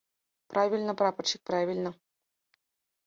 Правильно, прапорщик, правильно.